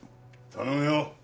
頼むよ。